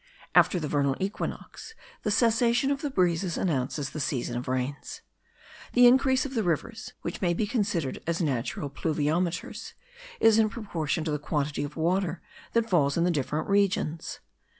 After the vernal equinox, the cessation of the breezes announces the season of rains. The increase of the rivers (which may be considered as natural pluviometers) is in proportion to the quantity of water that falls in the different regions.